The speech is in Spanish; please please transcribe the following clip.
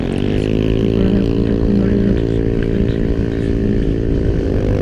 La segunda temporada cuenta con varios otros importantes acontecimientos.